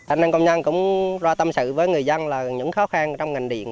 anh em công nhân cũng ra tâm sự với người dân là những khó khăn trong ngành điện